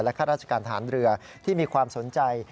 ข้าราชการฐานเรือที่มีความสนใจ